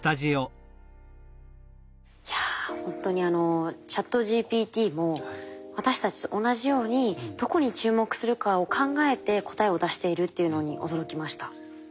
いやほんとにＣｈａｔＧＰＴも私たちと同じようにどこに注目するかを考えて答えを出しているっていうのに驚きました。